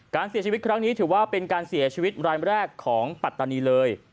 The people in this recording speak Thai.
การเสียชีวิตครั้งนี้ถือว่าเป็นการเสียชีวิตรายแรกของปัตตานีเลย